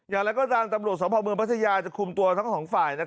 อย่างไรก็ตามตำรวจสมภาพเมืองพัทยาจะคุมตัวทั้งสองฝ่าย